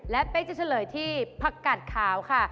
และเป๊กจะเฉลยที่ผักกัดขาวค่ะ